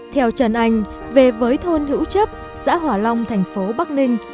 theo trần anh về với thôn hữu chấp xã hỏa long thành phố bắc ninh